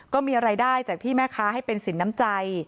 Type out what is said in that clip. ก็มีรายได้จากที่แม่ค้าให้เป็นสินน้ำใจ